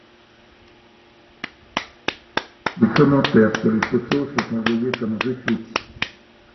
Les commentaires sur les photos sont envoyés comme retweets.